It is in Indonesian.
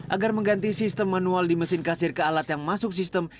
agar mengganti sistem manual di mesin kasir ke alat yang masuk sistem